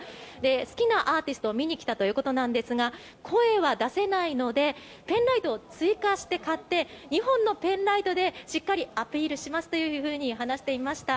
好きなアーティストを見に来たということですが声は出せないのでペンライトを追加して買って２本のペンライトでしっかりアピールしますというふうに話していました。